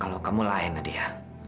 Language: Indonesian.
kalau kamu lain nadia